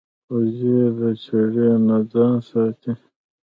وزې د چړې نه ځان ساتي